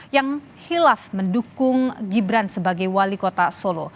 yang hilaf mendukung gibran sebagai wali kota solo